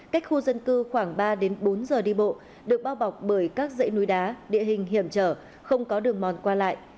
cách khu dân cư khoảng ba đến bốn giờ đi bộ được bao bọc bởi các dãy núi đá địa hình hiểm trở không có đường mòn qua lại